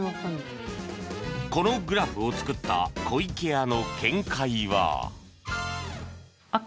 このグラフを作った湖池屋の見解は